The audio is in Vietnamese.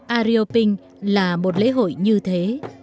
ayuping là một lễ hội như thế